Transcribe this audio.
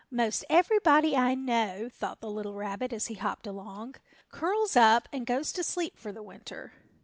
"'Most everybody I know," thought the little rabbit as he hopped along, "curls up and goes to sleep for the winter.